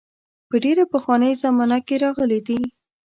په ډېره پخوانۍ زمانه کې راغلي دي.